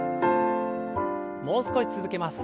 もう少し続けます。